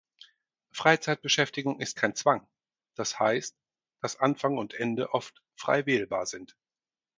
Freizeitbeschäftigung ist kein Zwang, das heißt, dass Anfang und Ende oft frei wählbar sind.